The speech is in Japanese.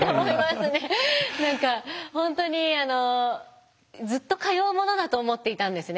何か本当にずっと通うものだと思っていたんですね。